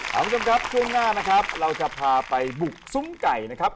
คุณผู้ชมครับช่วงหน้านะครับเราจะพาไปบุกซุ้มไก่นะครับ